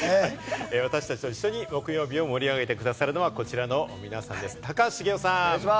私達と一緒に木曜日を盛り上げて下さるのはこちらの皆さんです。